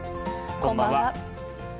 こんばんは。